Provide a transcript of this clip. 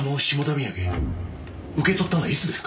土産受け取ったのはいつですか？